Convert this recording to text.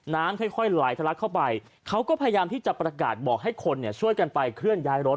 น้ำค่อยไหลทะลักเข้าไปเขาก็พยายามที่จะประกาศบอกให้คนช่วยกันไปเคลื่อนย้ายรถ